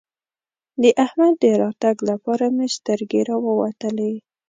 د احمد د راتګ لپاره مې سترګې راووتلې.